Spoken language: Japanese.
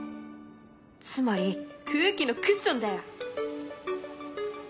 つまり空気のクッションだよ。